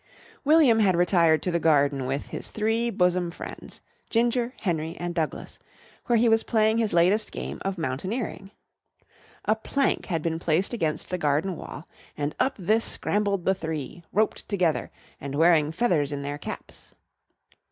William had retired to the garden with his three bosom friends Ginger, Henry, and Douglas where he was playing his latest game of mountaineering. A plank had been placed against the garden wall, and up this scrambled the three, roped together and wearing feathers in their caps.